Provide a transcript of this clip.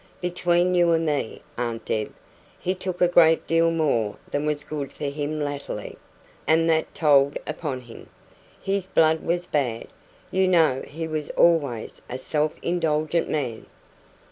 Between you and me, Aunt Deb, he took a great deal more than was good for him latterly, and that told upon him. His blood was bad. You know he was always a self indulgent man."